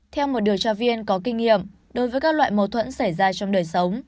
theo một điều tra viên có kinh nghiệm đối với các loại mâu thuẫn xảy ra trong đời sống